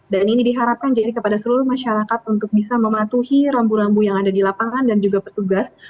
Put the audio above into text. dan ini diharapkan jadi kepada seluruh masyarakat untuk bisa mematuhi rambu rambu yang ada di lapangan dan juga petugas